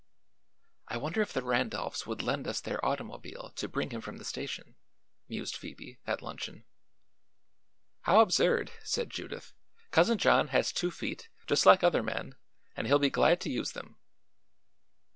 "I wonder if the Randolphs would lend us their automobile to bring him from the station," mused Phoebe, at luncheon. "How absurd!" said Judith. "Cousin John has two feet, just like other men, and he'll be glad to use them."